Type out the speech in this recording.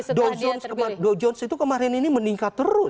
seperti misalnya do jones kemarin ini meningkat terus